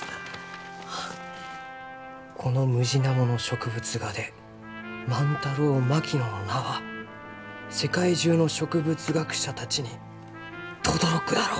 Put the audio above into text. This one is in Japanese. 「このムジナモの植物画で『ＭａｎｔａｒｏＭａｋｉｎｏ』の名は世界中の植物学者たちにとどろくだろう」。